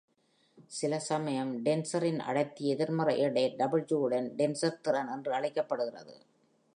சில சமயம் டென்சர்-இன் அடர்த்தி எதிர்மறை எடை "W" உடன் டென்சர் திறன் என்று அழைக்கப்படுகிறது.